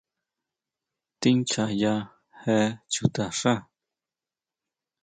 ¿Tíʼnchjaya je chuta xá?